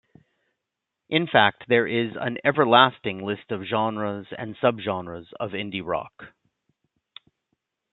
In fact, there is an everlasting list of genres and subgenres of indie rock.